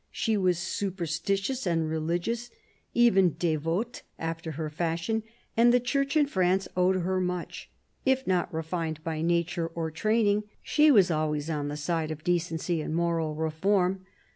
She was super stitious and religious, even devote, after her fashion, and the Church in France owed her much : if not refined by nature or training, she was yet always on the side of decency and moral reform.